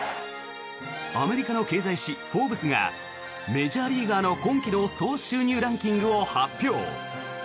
アメリカの経済誌「フォーブス」がメジャーリーガーの今季の総収入ランキングを発表。